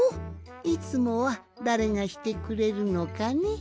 いつもはだれがしてくれるのかね？